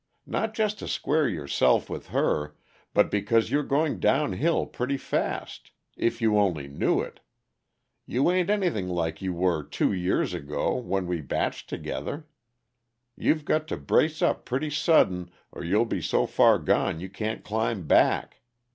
Not just to square yourself with her, but because you're going downhill pretty fast, if you only knew it. You ain't anything like you were two years ago, when we bached together. You've got to brace up pretty sudden, or you'll be so far gone you can't climb back.